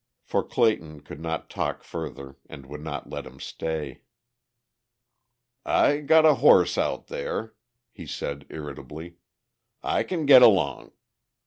For Clayton would not talk further and would not let him stay. "I got a horse out there," he had said irritably. "I can get along.